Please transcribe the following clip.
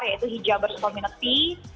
yaitu hijabers community